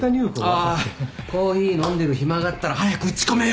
おいコーヒー飲んでる暇があったら早く打ち込めよ。